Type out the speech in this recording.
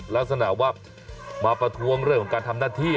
ลักษณะว่ามาประท้วงเรื่องของการทำหน้าที่